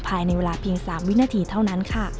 ภายในเวลาเพียง๓วินาทีเท่านั้นค่ะ